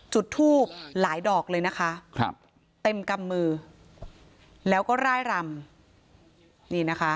จุดทูบหลายดอกเลยนะคะครับเต็มกำมือแล้วก็ร่ายรำนี่นะคะ